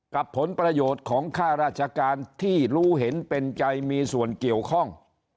ผลประโยชน์ของค่าราชการที่รู้เห็นเป็นใจมีส่วนเกี่ยวข้อง